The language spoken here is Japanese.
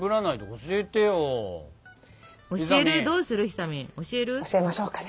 教えましょうかね。